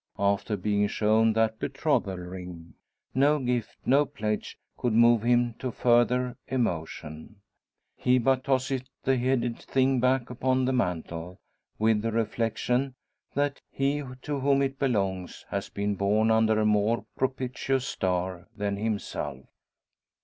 After being shown that betrothal ring, no gift, no pledge, could move him to further emotion. He but tosses the headed thing back upon the mantel, with the reflection that he to whom it belongs has been born under a more propitious star than himself.